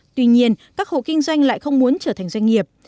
tuy nhiên các hộ kinh doanh lại không muốn trở thành doanh nghiệp